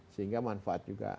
sehingga manfaat juga